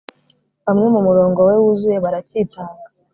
Bamwe mumurongo we wuzuye baracyitanga